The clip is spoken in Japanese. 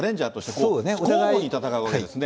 交互に戦うわけですね。